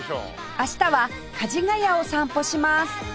明日は梶が谷を散歩します